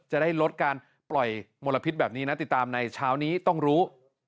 จะได้ลดการปล่อยมลพิษแบบนี้นะติดตามในเช้านี้ต้องรู้